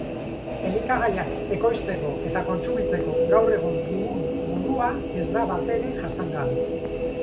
Elikagaiak ekoizteko eta kontsumitzeko gaur egun dugun modua ez da batere jasangarria.